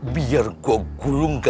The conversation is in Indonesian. biar gue gulungan aja